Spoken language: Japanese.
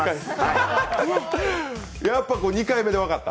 やっぱり２回目で分かった？